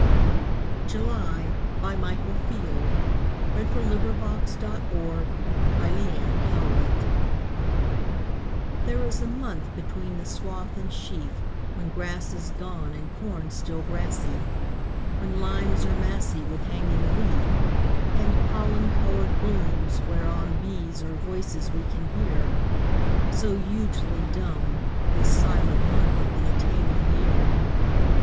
imes call Upon our love, and the long echoes fall. Michael Field July THERE is a month between the swath and sheaf When grass is gone And corn still grassy; When limes are massy With hanging leaf, And pollen coloured blooms whereon Bees are voices we can hear, So hugely dumb This silent month of the attaining year.